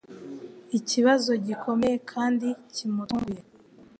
ikibazo gikomeye kandi kimutunguye